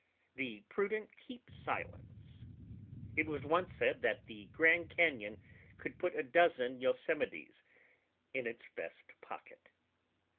The prudent keep silence. It was once said that the "Grand Cañon could put a dozen Yosemites in its vest pocket."